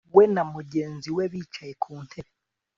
We na mugenzi we bicaye ku ntebe